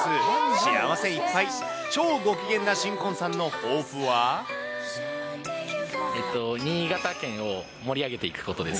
幸せいっぱい、超ご機嫌な新婚さ新潟県を盛り上げていくことです。